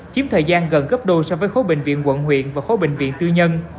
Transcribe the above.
chiếm thời gian gần gấp đôi so với khối bệnh viện quận huyện và khối bệnh viện tư nhân